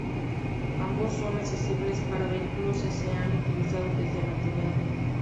Ambos son accesibles para vehículos y se han utilizado desde la antigüedad.